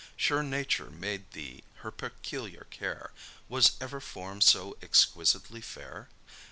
Sure nature made thee her peculiar care: Was ever form so exquisitely fair?